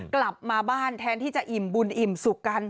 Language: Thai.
กลับมาบ้านแทนที่จะอิ่มบุญอิ่มสุขกัน